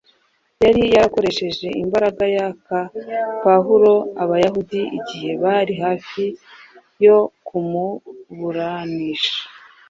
yari yarakoresheje imbaraga yaka Pawulo Abayahudi igihe bari hafi yo kumuburanisha